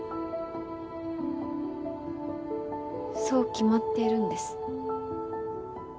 そう決まっているんです。